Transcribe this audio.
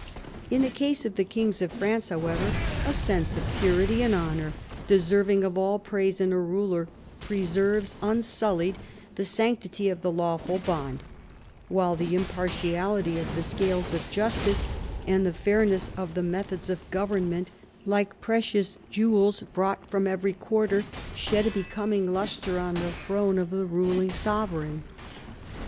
In the case of the kings of France, however, a sense of purity and honour, deserving of all praise in a ruler, preserves unsullied the sanctity of the lawful bond ; while the impartiality of the scales of justice, and the fairness of the methods of government, like precious jewels brought 218 PHILIP AUGUSTUS chap. from every quarter, shed a becoming lustre on the throne of the ruling sovereign.